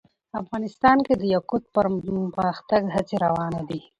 افغانستان کې د یاقوت د پرمختګ هڅې روانې دي.